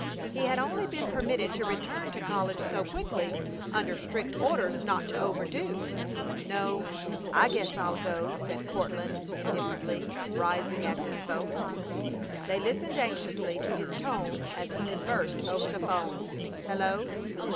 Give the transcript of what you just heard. He had only been permitted to return to college so quickly under strict orders not to overdo. "No, I guess I'll go," said Courtland, indifferently, rising as he spoke. They listened anxiously to his tones as he conversed over the 'phone. "Hello!...